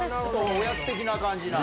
おやつ的な感じなの。